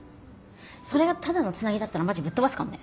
それがただのつなぎだったらマジぶっ飛ばすかんね。